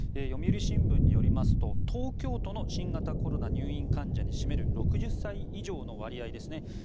読売新聞によりますと東京都の新型コロナ入院患者に占める６０歳以上の割合ですね。